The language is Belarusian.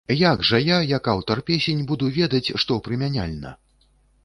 Як жа я, як аўтар песень, буду ведаць, што прымяняльна?